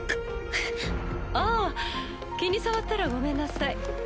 ああ気に障ったらごめんなさい。